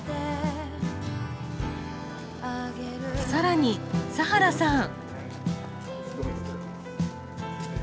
更に佐原さん。